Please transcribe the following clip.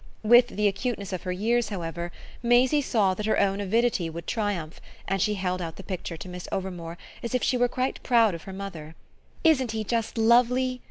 With the acuteness of her years, however, Maisie saw that her own avidity would triumph, and she held out the picture to Miss Overmore as if she were quite proud of her mother. "Isn't he just lovely?"